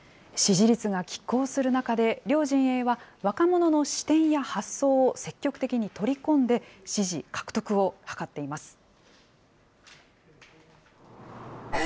支持率がきっ抗する中で、両陣営は若者の視点や発想を積極的に取り込んで、支持獲得を図っています。